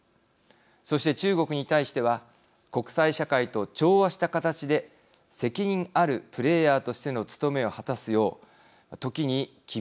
そして中国に対しては国際社会と調和した形で責任あるプレーヤーとしての務めを果たすよう時に厳しく物申していくことが求められていると思います。